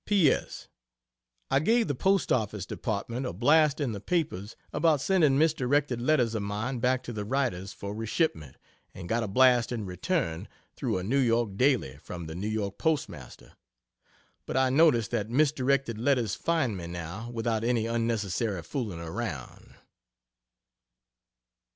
P. S. I gave the P.O. Department a blast in the papers about sending misdirected letters of mine back to the writers for reshipment, and got a blast in return, through a New York daily, from the New York postmaster. But I notice that misdirected letters find me, now, without any unnecessary fooling around.